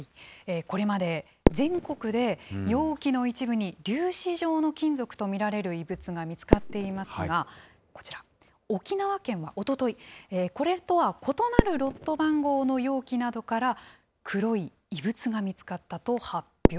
これまで全国で、容器の一部に粒子状の金属と見られる異物が見つかっていますが、こちら、沖縄県でおととい、これとは異なるロット番号を容器などから、黒い異物が見つかったと発表。